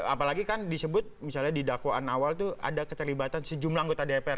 apalagi kan disebut misalnya di dakwaan awal itu ada keterlibatan sejumlah anggota dpr